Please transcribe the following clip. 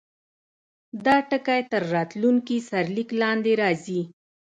دا ټکی تر راتلونکي سرلیک لاندې راځي.